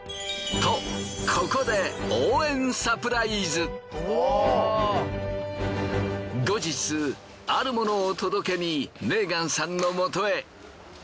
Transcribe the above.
とここで後日あるものを届けにメーガンさんのもとへ。